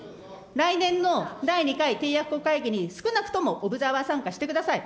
来年の第２回締約国会議に少なくともオブザーバー参加してください。